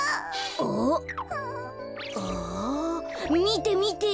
みてみて！